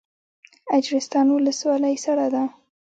اجرستان ولسوالۍ سړه ده؟